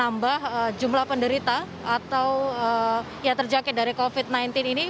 menambah jumlah penderita atau yang terjangkit dari covid sembilan belas ini